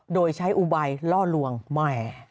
โดยใช้อุบัยล่อลวงใหม่